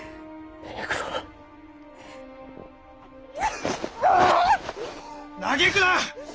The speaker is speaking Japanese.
嘆くな！